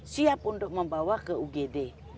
siap untuk membawa ke ugd